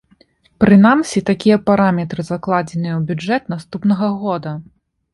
Прынамсі, такія параметры закладзеныя ў бюджэт наступнага года.